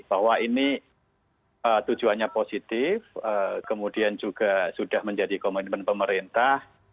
bahwa ini tujuannya positif kemudian juga sudah menjadi komitmen pemerintah